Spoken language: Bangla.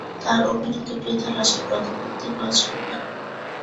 তার অভিনীত পিতার আসন প্রথম মুক্তি পাওয়া ছবি।